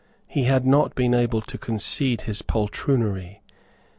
He had not been able to conceal his poltroonery.